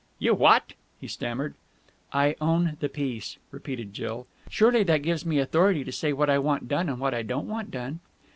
"You what!" he stammered. "I own the piece," repeated Jill. "Surely that gives me authority to say what I want done and what I don't want done."